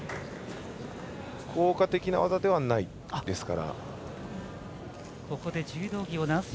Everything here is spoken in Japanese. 効果的な技ではないですから。